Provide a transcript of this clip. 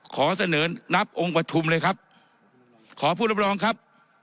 ขอเสนอนับองค์ประชุมเลยครับขอผู้รับรองครับ